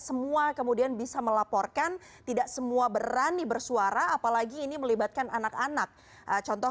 semua kemudian bisa melaporkan tidak semua berani bersuara apalagi ini melibatkan anak anak contoh